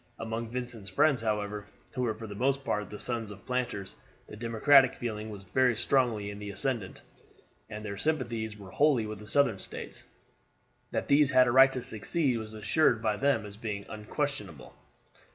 Among Vincent's friends, however, who were for the most part the sons of planters, the Democratic feeling was very strongly in the ascendant, and their sympathies were wholly with the Southern States. That these had a right to secede was assumed by them as being unquestionable.